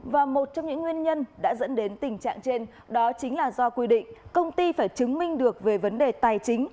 và một trong những nguyên nhân đã dẫn đến tình trạng trên đó chính là do quy định công ty phải chứng minh được về vấn đề tài chính